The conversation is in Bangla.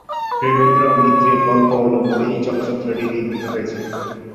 প্রেমেন্দ্র মিত্রের গল্প অবলম্বনে এই চলচ্চিত্রটি নির্মিত হয়েছিল।